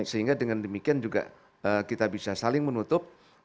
sehingga dengan demikian juga kita bisa saling menutup